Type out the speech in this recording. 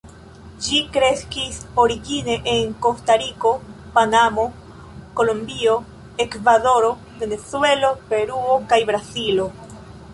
Ĝi kreskis origine en Kostariko, Panamo, Kolombio, Ekvadoro, Venezuelo, Peruo kaj Brazilo.